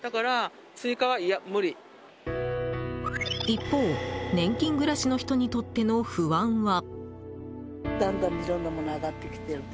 一方、年金暮らしの人にとっての不安は。